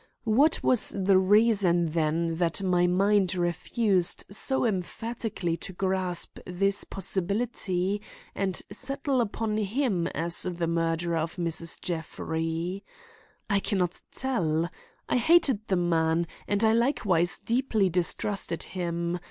What was the reason then that my mind refused so emphatically to grasp this possibility and settle upon him as the murderer of Mrs. Jeffrey? I can not tell. I hated the man, and I likewise deeply distrusted him.